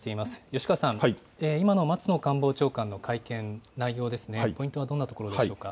よしかわさん、今の松野官房長官の会見、内容ですね、ポイントはどんなところでしょうか。